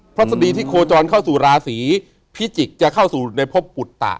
ฤษฎีที่โคจรเข้าสู่ราศีพิจิกษ์จะเข้าสู่ในพบปุตตะ